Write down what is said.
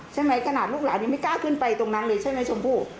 ขนาดลูกหลานยังไม่กล้าขึ้นไปตรงนั้นเลยใช่ไหมชมพู่